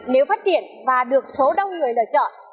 nếu phát triển và được số đông người lựa chọn